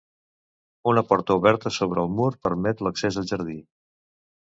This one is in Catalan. Una porta oberta sobre el mur permet l'accés al jardí.